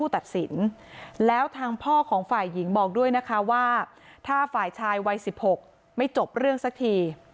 ทางพ่อของฝ่ายหญิงบอกด้วยนะคะว่าถ้าฝ่ายชายวัยสิบหกไม่จบเรื่องสักที